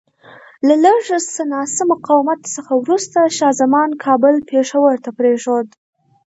له لږ څه ناڅه مقاومت څخه وروسته شاه زمان کابل پېښور ته پرېښود.